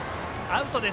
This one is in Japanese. アウトです。